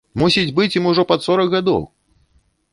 Мусіць быць ім ужо пад сорак гадоў!